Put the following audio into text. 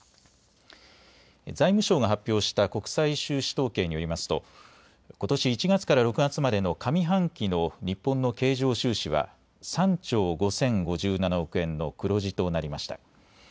財務省が発表した国際収支統計によりますとことし１月から６月までの上半期の日本の経常収支は３兆５０５７億円の黒字となりました。